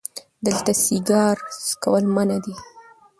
دلته سیګار څکول منع دي🚭